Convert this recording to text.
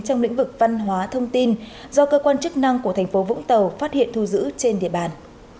trong lĩnh vực văn hóa thông tin do cơ quan chức năng của thành phố vũng tàu phát hiện thu giữ trên địa bàn